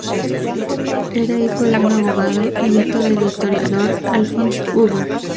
Era hijo de un abogado y nieto del historiador Alfons Huber.